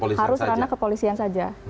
iya harus karena kepolisian saja